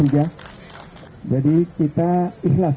jadi kita ikhlas